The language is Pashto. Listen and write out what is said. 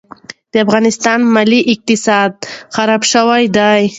د افغانستان مالي اقتصاد خراب شوی دي.